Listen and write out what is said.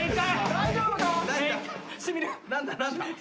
大丈夫か？